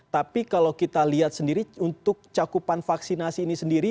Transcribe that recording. tapi kalau kita lihat sendiri untuk cakupan vaksinasi ini sendiri